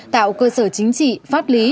tạo cơ sở chính trị pháp lý